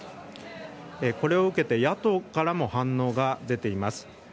これを受けて野党からも反応が出ています。